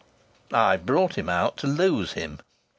"I've brought him out to lose him."